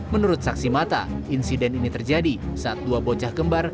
menurut saksi mata insiden ini terjadi saat dua bocah kembar